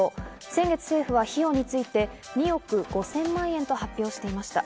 先月、政府は費用について２億５０００万円と発表していました。